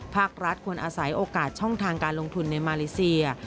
ภาครัฐควรอาศัยโอกาสช่องทางการลงทุนในมาเลเซีย